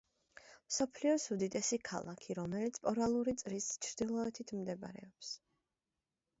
მსოფლიოს უდიდესი ქალაქი, რომელიც პოლარული წრის ჩრდილოეთით მდებარეობს.